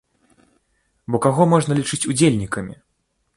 Бо каго можна лічыць удзельнікамі?